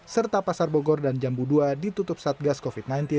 serta pasar bogor dan jambu dua ditutup saat gas covid sembilan belas